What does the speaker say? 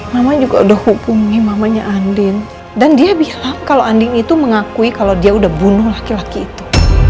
mama juga udah hubungi mamanya andin dan dia bilang kalau andin itu mengakui kalau dia udah bunuh laki laki itu